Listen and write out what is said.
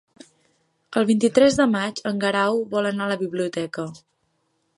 El vint-i-tres de maig en Guerau vol anar a la biblioteca.